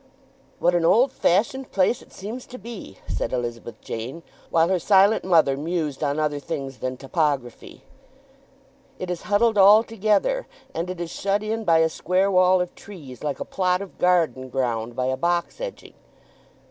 "What an old fashioned place it seems to be!" said Elizabeth Jane, while her silent mother mused on other things than topography. "It is huddled all together; and it is shut in by a square wall of trees, like a plot of garden ground by a box edging."